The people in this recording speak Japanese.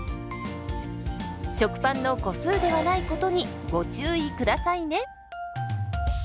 食パンの個数ではないことにご注意下さいね。